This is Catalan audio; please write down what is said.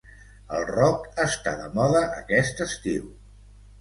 El rock està de moda aquest estiu.